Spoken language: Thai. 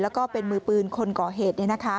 แล้วก็เป็นมือปืนคนก่อเหตุ